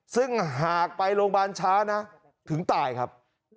ซึ่งหากไปโรงพยาบาลช้านะถึงตายครับ